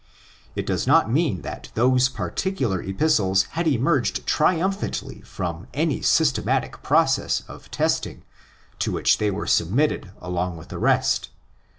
It does not mean that those particular Epistles had emerged triumphantly from any systematic process of testing to which they were submitted along with the rest.